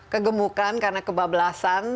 kegemukan karena kebablasan